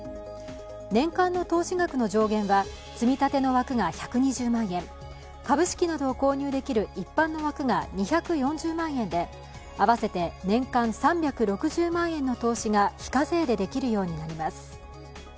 年間の投資額の上限は積み立ての枠が１２０万円株式などを購入できる一般の枠が２４０万円で合わせて年間３６０万円の投資が非課税でできるようになります。